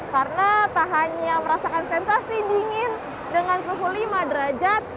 karena tak hanya merasakan sensasi dingin dengan suhu lima derajat